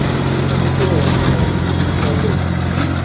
Mutu weegeresi muusa lowu.